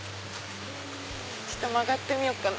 ちょっと曲がってみようかな。